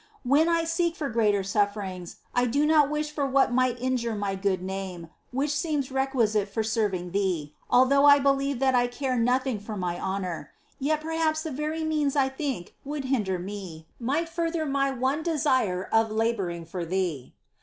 When I seek for greater sufferings, I do not wish for what might injure my good name which seems requisite for serving Thee, although I believe that I care nothing for my honour ; yet perhaps the very means I think would hinder me might further my one desire of labouring for Thee.